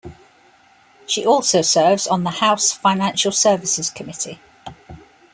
She also serves on the House Financial Services Committee.